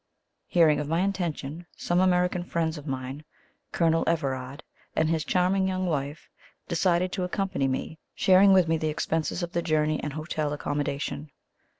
Hearing of my intention, some American friends of mine, Colonel Everard and his charming young wife, decided to accompany me, sharing with me the expenses of the journey and hotel accommodation.